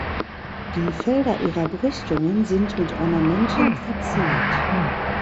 Die Felder ihrer Brüstungen sind mit Ornamenten verziert.